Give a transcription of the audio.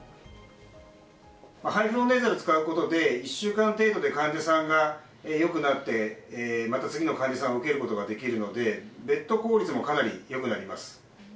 ハイフローネーザルを使うことで、１週間程度で患者さんがよくなって、また次の患者さんを受けることができるので、ベッド効率もかなりよくなります。